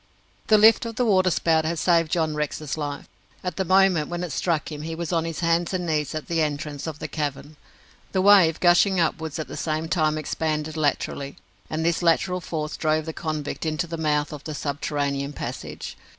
The lift of the water spout had saved John Rex's life. At the moment when it struck him he was on his hands and knees at the entrance of the cavern. The wave, gushing upwards, at the same time expanded, laterally, and this lateral force drove the convict into the mouth of the subterranean passage.